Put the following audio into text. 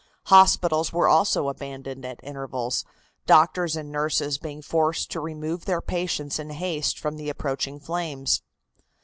Hospitals were also abandoned at intervals, doctors and nurses being forced to remove their patients in haste from the approaching flames.